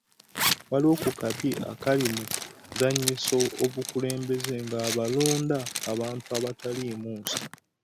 Waliwo ku kabi akali mu kuzannyisa obukulembeze nga balonda abantu abataliimu nsa.